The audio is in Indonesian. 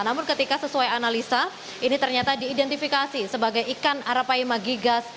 namun ketika sesuai analisa ini ternyata diidentifikasi sebagai ikan arapaima gigas